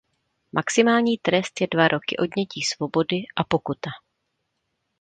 Maximální trest je dva roky odnětí svobody a pokuta.